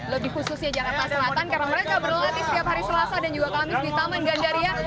lebih khususnya jakarta selatan karena mereka berlatih setiap hari selasa dan juga kamis di taman gandaria